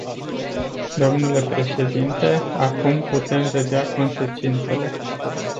Domnule președinte, acum putem vedea consecințele.